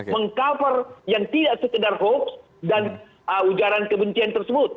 mengcover yang tidak sekedar hoax dan ujaran kebencian tersebut